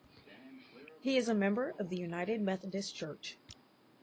He is a member of the United Methodist Church.